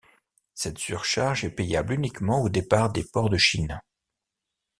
Cette surcharge est payable uniquement au départ des ports de Chine.